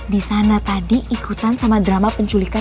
di sana tadi ikutan sama drama penculikan